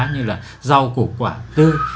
như là rau củ quả tư